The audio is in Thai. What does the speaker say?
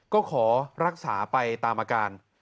ก็ขอรักษาไปตามอาการ